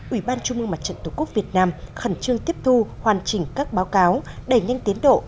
ủy ban trung mương mặt trận tổ quốc việt nam khẩn trương tiếp thu hoàn chỉnh các báo cáo đẩy nhanh tiến độ